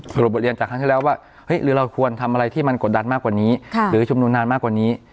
บทเรียนจากครั้งที่แล้วว่าหรือเราควรทำอะไรที่มันกดดันมากกว่านี้หรือชุมนุมนานมากกว่านี้